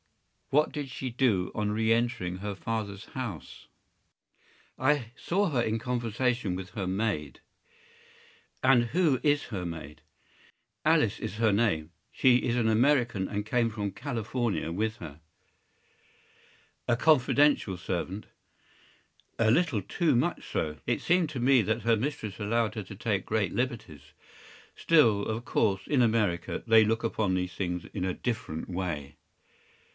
What did she do on re entering her father’s house?” “I saw her in conversation with her maid.” “And who is her maid?” “Alice is her name. She is an American, and came from California with her.” “A confidential servant?” “A little too much so. It seemed to me that her mistress allowed her to take great liberties. Still, of course, in America they look upon these things in a different way.